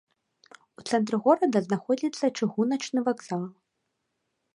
У цэнтры горада знаходзіцца чыгуначны вакзал.